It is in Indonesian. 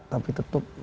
tapi tetap menolak